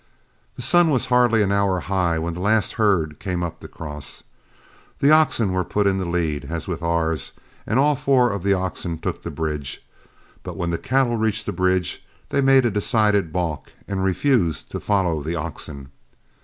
The sun was hardly an hour high when the last herd came up to cross. The oxen were put in the lead, as with ours, and all four of the oxen took the bridge, but when the cattle reached the bridge, they made a decided balk and refused to follow the oxen.